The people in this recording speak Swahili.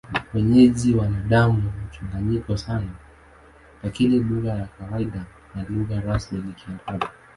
Wenyeji wana damu mchanganyiko sana, lakini lugha ya kawaida na lugha rasmi ni Kiarabu.